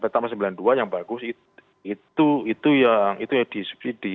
pertama sembilan puluh dua yang bagus itu yang disubsidi